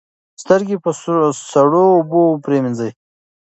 سترګې په سړو اوبو پریمنځئ.